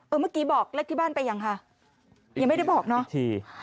เมื่อกี้บอกเลขที่บ้านไปยังคะยังไม่ได้บอกเนาะ